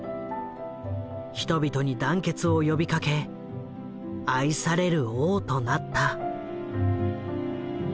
人々に団結を呼びかけ愛される王となった。